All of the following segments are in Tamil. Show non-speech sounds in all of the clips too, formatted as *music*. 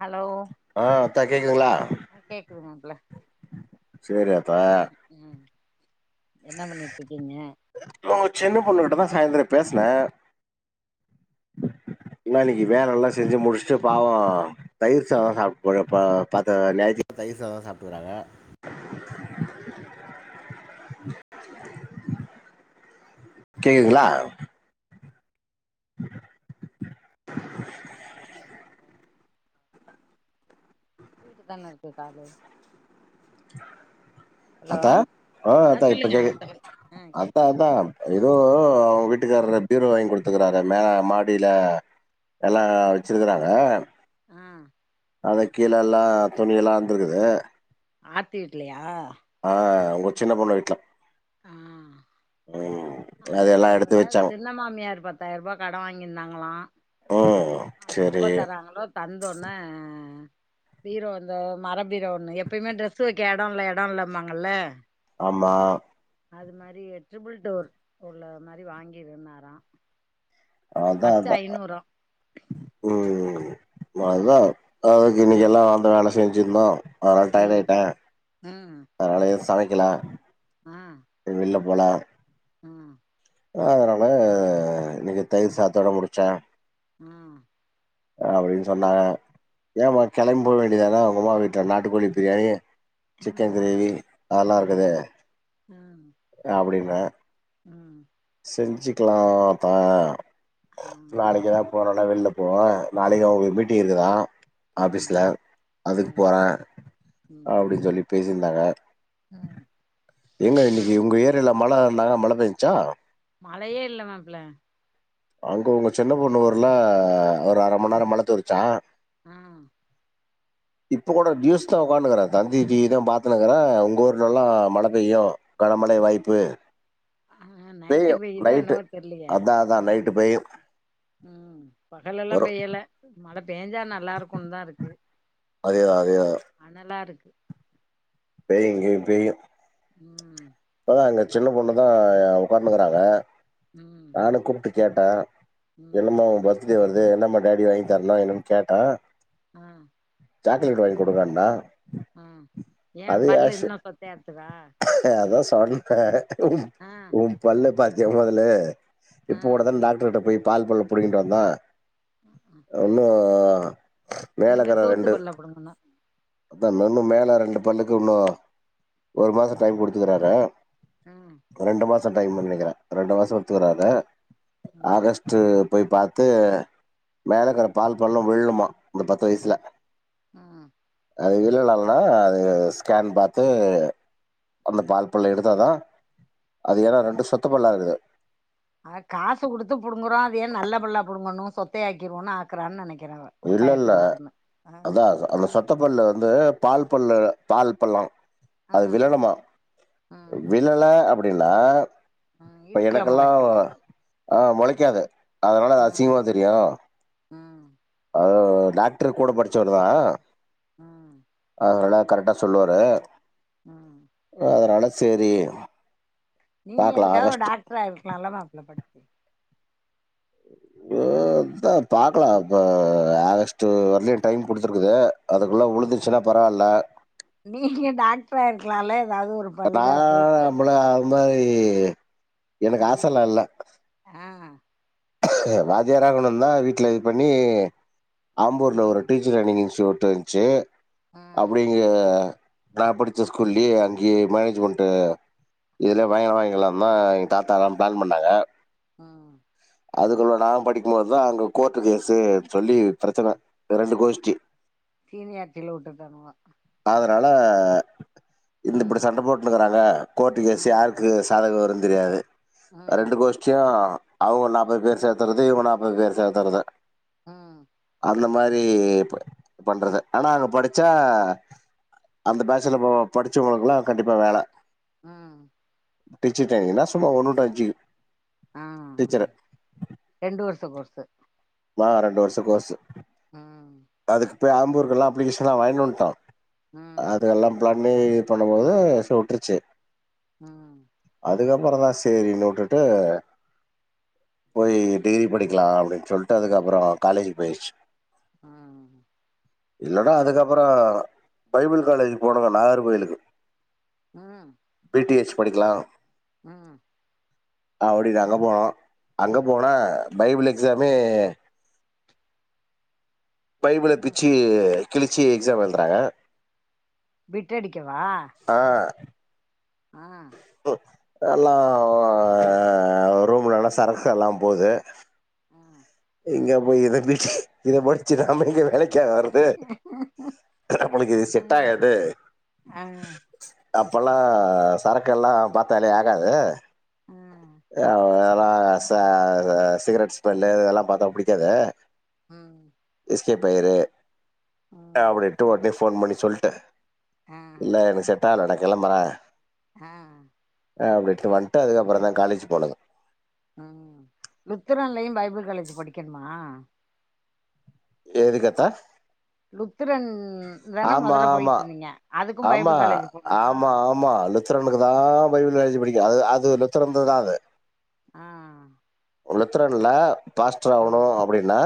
ஹலோ ஆ ஆத்தா கேக்குங்களா கேக்குது மாப்ள சரி ஆத்தா ம் என்ன பண்ணிட்டு இருக்கீங்க உன்னுகிட்டதா சாயந்தெரோ பேச்னே இன இன்னைக்கு வேல எல்லாம் செஞ்சு முடிச்சுட்டு பாவோ தயிர் சாதோ சாப்ட்டு *unintelligible* பாத்த ஞாயித்தி தயிர் சாதா சாப்பிட்டுக்கறாங்க கேக்குங்களா வயட்டு தானே இருக்கு காலு ஹலோ ஆத்தா ஆ ஆத்தா இப்ப கேக்கு ஆ கேக் ஆத்தா ஆத்தா யோ வி வீட்டுக்காரவீட்டுக்காரர பீரோ வாங்கி கொடுத்துக்கறாறாமே மாடில எல்லா வச்சிருக்குறாங்க ஆ அத கீழல்லா துணி எல்லா இருந்திருக்குது ஆர்த்தி வீட்லையா ஆ உங்க சின்ன பொண்ணு வீட்ல ஆ உ அது அவங்க சின்ன மாமியாரு பத்தாயிர்ருபா கடன் வாங்கிருந்தாங்களா ம் அது சேரி எப்ப தராங்களோ தந்தோன ஆ பீரோ இந்த மர பீரோ ஒன்னு எப்பயுமே ட்ரெஸ்சு வைக்க எடோ இல்ல எடோ இல்லம்பாங்கல்ல ஆமா அது மாரி ட்ரிபிள் டோர் உள்ள மாரி வாங்கிருந்தாரா அதா பத்து அதா ஐநூறா உ ம தா ம் அதுக்கு ம் கின்னக்கெல்லா வந்த வேல செஞ்சிருந்தா அதனால் டைட் ம் ஆய்ட்டே ம் அதனாலயே சமைக்க க்கலா ஆ போல உ அதனால இன்னைக்கு தயிர் சாதத்தோட முடிச்சே ஆ அப்படின்னு சொன்னாங்க ஏன்மா கிளம்பி போக வேண்டியதான உங்கமா வீட்டுல நாட்டுக்கோழி பிரியாணி சிக்கன் ம் கிரேவி அதெல்லா ம் இருக்குது ம் ம் அப்படின் அ ம் செஞ்சுக்கலா தா ம் நாளைக்குதா போனும் ல்லா வெளில போவ நாளைக்கு அவங்களுக்கு மீட்டிங் இருக்குதா ம் ஆஃபீஸில்ல அதுக்கு போற ம் அப்டின்னு சொல்லி பேஸ் இருந்தாங்க ம் எங்க இன்னிக்கு உங்க ஏறியால்ல மழ இருந்தாங்கா மழ பேஞ்சுச்சா மழையே இல்ல மாப்ள அங்க உங்க சின்ன பொண்ணு ஊர்ல ஒரு அர மணி நேரோ மழ தூருச்சா ம் இப்ப கூட நியூஸ்தா உக்கான்னு இருக்குற தந்தி டிவிதா பாத்துன்னு இருக்குற உங்க ஊர்ல எல்லா மழ பெய்யு கனமழை வாய்ப்பு ஆ பேயு நைட்டு பெய்யுதோ நைட்டு என்னவோ தெர்லயே அதா அதா நைட் ம் ம் பகல்ல எல்லாம் வரும் பெய்யல மழ பேஞ்சா நல்லா இருக்குன்தா இருக்கு அதே தான், அதே தான். அனலா இருக்கு பேய்யு இங்கயு பேய்யு ம் பரவால்ல சின்ன பொண்ணுதா உக்கான்னு இருக்குறாங்க ம் ஆன குட்டு கேட்டா ம் என்னமா உம் பர்த்டே வர்து தே என்னம்மாரி டாடி வாங்கி தர்துன் என்னன் கேட்ட ஆ சாக்லேட் வாங்கி குடுங்கண்ணா ம் ஏ பல்லு இன்னு சொத்தை ஆறுதுக்கா *unintelligible* உம் உம் பல்ல பாத் ஜமதலே ஆ இப்போ கூடதான் டாக்டர்கிட்ட போய் பால் பல்ல புடிங்கிட்டு வந்தா ஒன்னு ஆ இனிமே சோத்து பல்ல புடுங்கணு அதா இன்னு மேல ரெண்டு பல்லுக்கு உள்ள ஒரு மாச டைம் குடுத்துக்குராறா ம் ரெண்டு மாச டைம்ன்னு நெனக்குறே ரெண்டு மாச குடுத்துக்குராறா ம் ஆகஸ்ட்டு போய் பாத்து மேலக்குற பால் பல்லு விழுமா இந்த பத்து வயசுல உம் அது இல்லலைனா அது ஸ்கேன் பாத்து அந்த பால் பல் எடுத்தா தா அது ஏன்னா ரெண்டு சொத்த பல்லா இருக்குது அத காசு குடுத்து புடுங்குறோ அத ஏ நல்ல பல்லா புடுங்கணு சொத்தையாக்கிருவோனு ஆக்குறான்னு நெனக்குறே இல்ல இல்ல அதா அந்த சொ சொத்தப்பல்லு வந்து பால்பல்லு பால் பல்லா அ அது விளலனுமா ம் விளல அப்டி அப்டிங்ளா ம் இப்ப இடுக்குல எனக்கெல்லா மொளைக்கு ஆ மொளைக்காது அதனால ம் அசிங்கமா தெரியு ம் அவரு டாக்ரு கூட படிச்சவர்தா உம் அவரெல்லா கரெக்டா சொல்லுவாரு ம் ஆ அதுனால *unintelligible* சேரி நீங்க பாக்கலா அதுக்காக ஒரு ஆகஸ்ட் டாக்டர் ஆயிருக்கலால மாப்ள படிச்சு *inaudible* ய்யோ அத்த பாக்கலா இப்ப ஆகஸ்ட்டு வர்லயு டைம் குடுத்துருக்குது அதுக்குள்ள உழுந்துருச்சுனா பரவால்ல நீங்க டாக்ரா ஆயிருக்கலால அதனால நம்மள ம் மாரி அ எனக்கு ஆசல்லா இல்ல அ வாத்தியார ஆகணும் தா வீட்லே பண்ணி ஆம்பூர்ல ஒரு ம் டீச்சர் ட்ரைனிங் இன்ஸ்டியூட் தொன்ச்சி ம் அப்பிடிங்க நான் படிச்ச ஸ்கூல்லயே அங்கேய மேனேஜ்மெண்ட்டு இதுலே பயங்கரமா ஆகிலான்னு தான் எங்க தாத்தாலாம் பிளான் பண்ணாங்க ம் அதுக்குள்ள நான் படிக்கும் போதுதான் அங்க கோர்ட்டு கேஸ்சு சொல்லி பிரச்சன ரெண்டு கோஷ்ட்டி சீனியார்ட்டில உட்டுடானுவோ அதனால இந்த இப்டி சண்ட போட்டுனுக்கிறாங்க கோர்ட்டு கேஸ்சு ம் யாருக்கு சாதகம் வரு தெரியாது ரெண்டு ம் கோஷ்டியும் அவுங்க நா அம்பது பேர் சேத்தறது இவன் நாப்பது பேர் சேத்தறது ம் அந்த மாரி பண்றது ஆனா அங்க படிச்சா அந்த பேட்ச்சில படிச்சவங்களுக்குலாம் கண்டிப்பா வேல ம் டீச்சர் ட்ரைனிங்னா சும்மா ஒண்ணு டூ அஞ்சி ஆ டீச்சரு ரெண்டு வருஷோ கோர்சு நா ரெண்டு வருஷம் கோர்ஸு ம் போயி ஆம்பூருக்குலாம் அப்ளிகேஷன்லாம் வாங்கின்ட்டு வண்டோ ம் அது எல்லாம் பிளா இந்த மேரி பண்ணும் மோது சுட்ருச்சி ம் அதுகப்றோ தான் செரினு உட்டுட்டு போயி டிகிரி படிக்கலாம் அப்டின்னு சொல் உட்டதுகப்றோ காலேஜ் போயிருச்சு ம் இன்னோட அதுக்கப்றோ பைபிள் காலேஜி போனோங்க நாகர் கோயிலுக்கு ம் டி எச் படிக்கலாம் ம் அப்டின்னு அங்க போனோம் அங்க போனா பைபிள் எக்ஸாமே பைப்புல ம் பிச்சி கிளிச்சி எக்ஸாம் எழுதுறாங்க பிட்டு அடிக்கவா ஆ ஆஹ்ன் எல்லாம் ரூம்லனா சரக்கு எல்லாம் போகுது ஆஹ் எங்க போய் இத பிச்சு இத படிச்சு நாம எங்க வேலை க்க வருது நம்மளுக்கு இது ஆ செட் ஆகாது ஆ அப்பெல்லாம் சரக்கெல்லாம் பார்த்தாலே ஆகாது ஆ அ இதெல்லாம் ச சிகரெட் ஸ்மெல்லு இதெல்லாம் பார்த்தா புடிக்காது ஹம் எஸ்கேப் ஆய்ரு அப்டின்னுட்டு வொடணே போன் பண்ணி சொல்டேன் ஆ இல்ல எனக்கு செட்டாகளா கிளம்பறேன் உஹ்ம் அப்டின்ட்டு வந்துட்டு அதுக்கப்றோ தான் காலேஜ் போலங்க உம் லுத்திரைன்லயும் பைபிள் காலேஜ் படிக்கணுமா எது கத்தா *unintelligible* த்திரன் தானே முதல்ல ஆமா போய்ட்டு இருந்தீங்க அதுக்கும் ஆமா பைபிள் காலேஜ் போனுமா பைபில் காலேஜ் படிக்கும் அது அது லெத்திறந்துதான் அது ஹான் லுத்துரன்ல பாஸ்டர் ஆகணும் அப்படின்னா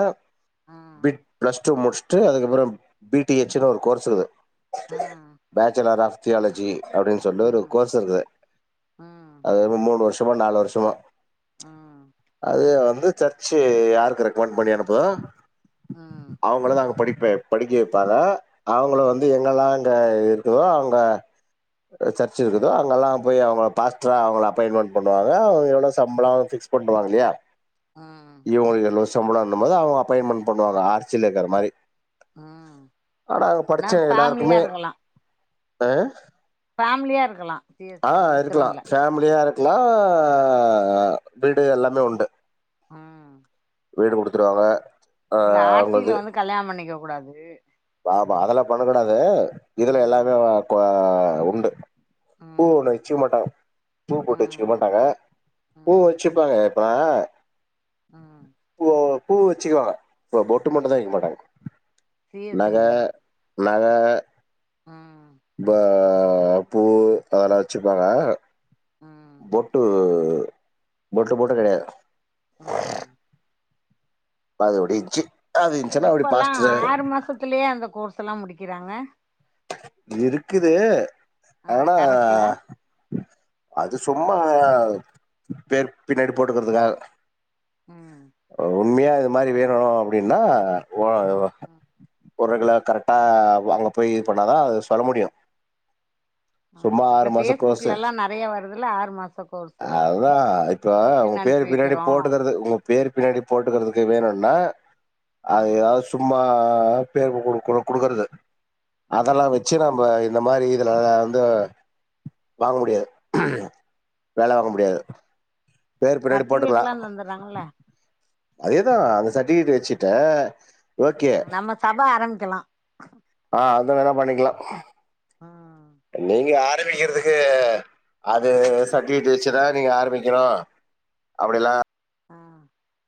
ஆ பிட் பிளஸ் டூ முடிச்சு முடிச்சுட்டு அதுக்கப்புறம் பிடி எச்னு ஒரு கோர்ஸ் இருக்கு ஆ ஆ பேச்சுலர் ஆஃப் எத்தியாலஜி அப்படின்னு சொல்லிட்டு ஆ ஆ ஒரு கோர்ஸ் இருக்குது அது வந்து மூணு வருஷமோ நாலு வருஷமோ ஆ அதே வந் சர்ச்சு யாருக்கு ரெக்கமெண்ட் பண்ணி அனுப்புதோ ஆ அவங்கள தான் அங்க படி படிக்க வைப்பாங்க அவங்கள வந்து எங்கலாம் எங்க இருக்குதோ அங்க சர்ச் இருக்குதோ அங்கெல்லாம் போய் அவங்கள பாஸ்டரா அவங்கள அப்பாயின்ட்மென்ட் பண்ணுவாங்க எவ்ளவு சம்பளம் ஃபிக்ஸ் போட்ருவாங்களையா ஆஹ் சம்பள அந்த மாரி அவுங்க அப்பாயின்ட்மென்ட் பண்ணுவாங்க ஆர்ச்சுல இருக்குற மாரி ஆ ஆனா அங்க படுச்ச ஃபேமிலியா எல்லாருக்குமே இருக்கலா அ ஃபேமிலியா இருக்கலா சி எஸ் இருக்குரோன்ல க்குளா வீடு எல்லாமே உண்டு ம் வீடு குடுத்துருவாங்க ஆ இல்ல அவங்களுக்கு ஆர்சில வந்து கல்யாணம் பண்ணிக்க கூடாது ஆமா அதெல்லா பண்ணக்கூடாது இதுல எல்லாமே ம் வா கோ ஆ உண்டு பூ ஒண்ணு ம் வெச்சுக்க மாட்டாங்க பூ பொட்டு வெச்சுக்க ம் மாட்டாங்க பூ ம் வெச்சுப்பாங்க ப ம் ஓ பூ வெச்சுக்குவாங்க பொட்டு மட்டுந்தா வெக்க மாட்டாங்க சி எஸ் ஐ மாரி நக ம் ந்த ஆ பூ அதெல்லா வெச்சுப்பாங்க ம் பொட்டு பொட்டு பொட்டு கெடையாது ம் அதோடய எஜ்ஜு இப்பல்லா ஆறு மாசத்துலயே அந்த கோர்ஸ் செல்லா முடிக்கிறாங்க இருக்குது ஆ ஆனா கரஸ்ல அதுஸ் சும்மா பேர் பின்னாடி போட்டுக்குறதுக்கா ம் ஓ உன்மையா இது மாரி வேணு அப்டின்னா வா இதுவா ஒரகளை கரெட்டா அங்க போயி இது பண்ணாதான் அது சொல்ல முடியும் சும்மா ம் ஆறு இல்ல மாச கோர்சு ஃபேஸ்புக்ல எல்லா நெறைய வருதுல்ல ஆறு மாச கோர்ஸு அதான் இப்ப உங்க கொஸ்டின் பேரு அனுப்பி பின்னாடி வைக்கிறோ போட்டுக்கறது உங்க பின்னாடி போட்டுக்கிறதுக்கு வேணும்னா அதுயா ம் சும்மா ஆ ஹேப்பியா இருக்கவங்க கூட கூட குடுக்கறது அதெல்லாம் ம் வச்சி நாம்ப இந்த மாரி இதல வந்து வாங்க முடியாது வேல வாங்க முடியாது பேர் பின்னாடி சர்ட்டிபிகேட் போட்டுக்கலாம் எல்லாம் தந்துருறாங்க இல்ல அதேதான் அந்த சர்ட்டிபிகேட் வச்சுட்ட ம் நம்ம சப ஆரம்பிக்கலாம் வேணானா பண்ணிக்கலாம் நீங்க ஆரம்பிக்கிறதுக்கு அது சர்டிபிகேட்டு வச்சுதான் நீங்க ஆரம்பிக்கணும் அப்டிலாம் ஆ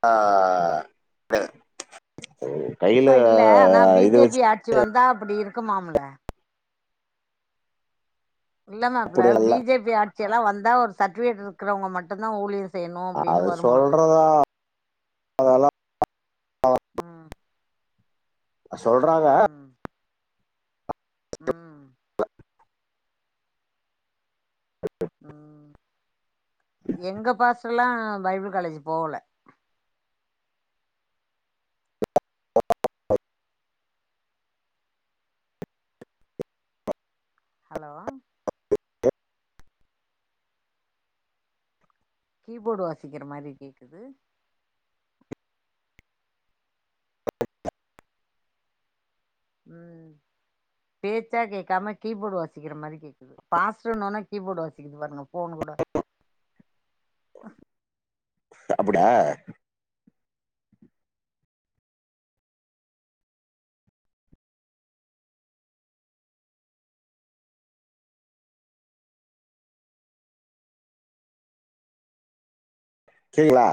ஆ அப்டே கையில இப்ப ஆனா இது வச்சு பிஜேபி ஆட்சி வந்தா அப்படி இருக்குமாம் இல்ல இல்ல மாப்பள அப்படி பி இல்ல ஜே பி ஆ எல்லாம் வந்தா ஒரு சர்டிபிகேட் இருக்கிறவ மட்டும்தான் ஊழிய செய்யணு அப்டின்னு அது வருமா சொல்றதா அதாலாம் ம் சொல்றாங்க ம் ம் ம் எங்க பாசலாம் பைபிள் காலேஜ் போவல ஆ ஹலோ கீபோடு வாசிக்கிற மாரி கேக்குது ம் பேச்சா கேக்காம கீபோடு வாசிக்கிற மாரி கேக்குது பாஸ்டுன்னு ஒன்னே கீபோர்டு வாசிக்குது பாருங்க போனு கூட அப்டா சரிங்களா